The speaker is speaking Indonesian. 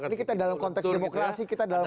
iya ini kita dalam konteks demokrasi kita dalam konteks